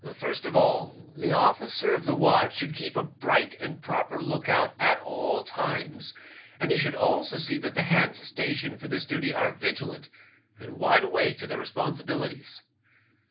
First of all, the officer of the watch should keep a bright and proper look out at all times, and he should also see that the hands stationed for this duty are vigilant, and wide awake to their responsibilities.